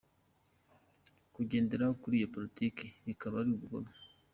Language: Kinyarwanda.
Kugendera kuli iyo politiki bikaba ari ubugome”.